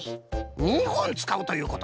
２ほんつかうということね。